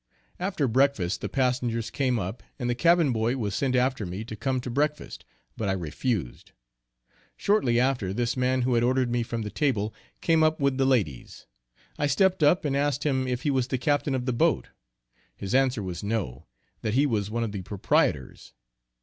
After breakfast the passengers came up, and the cabin boy was sent after me to come to breakfast, but I refused. Shortly after, this man who had ordered me from the table, came up with the ladies. I stepped up and asked him if he was the captain of the boat. His answer was no, that he was one of the proprietors.